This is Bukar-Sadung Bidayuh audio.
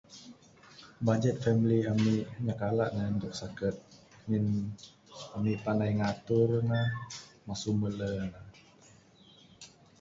Budget famili ami nyap kalak ne da sakut, ngin ami pandai ngatur ne masu melu ne.